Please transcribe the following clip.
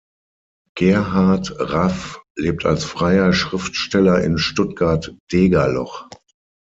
Gerhard Raff lebt als freier Schriftsteller in Stuttgart-Degerloch.